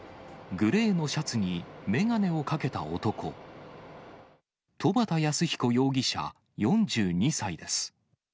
グレーのシャツに眼鏡をかけた男、戸畑康彦容疑者４２歳です。